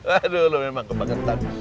aduh lu memang kepangetan